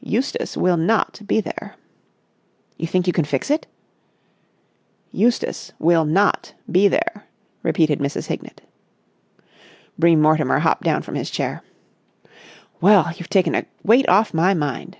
"Eustace will not be there." "You think you can fix it?" "Eustace will not be there," repeated Mrs. Hignett. Bream Mortimer hopped down from his chair. "Well, you've taken a weight off my mind."